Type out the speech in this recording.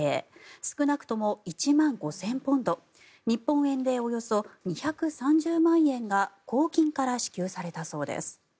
少なくとも１万５０００ポンド日本円でおよそ２３０万円が公金から支給されたそうです。